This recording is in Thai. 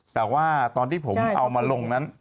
แต่ว่าตอนที่ผมเอามาลงนั้น